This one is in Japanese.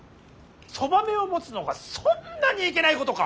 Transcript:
そばめを持つのがそんなにいけないことか！